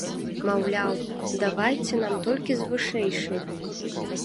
Маўляў, давайце нам толькі з вышэйшай.